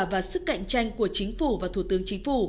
và sức cạnh tranh của chính phủ và thủ tướng chính phủ